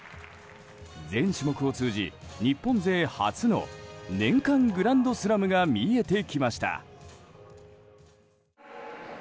全種目を通じ日本勢初の年間グランドスラムが見えてきました。